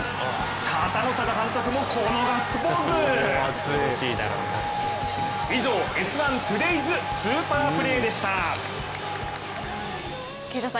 片野坂監督も、このガッツポーズ以上「Ｓ☆１ＴＯＤＡＹＳスーパープレー」でした。